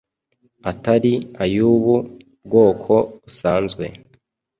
atari ay’ubu bwoko busanzwe.